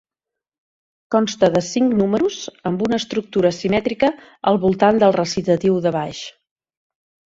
Consta de cinc números amb una estructura simètrica al voltant del recitatiu de baix.